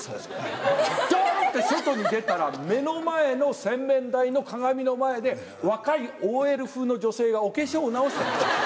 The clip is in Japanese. ドン！って外に出たら目の前の洗面台の鏡の前で若いＯＬ風の女性がお化粧を直してらっしゃった。